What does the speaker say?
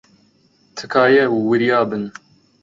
تکایە، وریا بن.